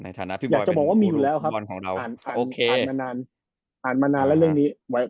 อยากจะบอกว่ามีอยู่แล้วครับอ่านมานานแล้วเรื่องนี้